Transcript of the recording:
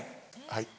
はい。